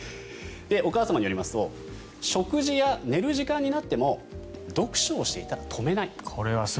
お母様によりますと食事や寝る時間になっても読書をしていたら止めない。